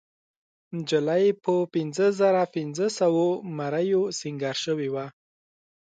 نجلۍ په پينځهزرهپینځهسوو مریو سینګار شوې وه.